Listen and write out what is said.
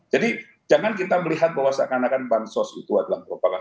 jadi jangan kita melihat bahwa seakan akan bansos itu adalah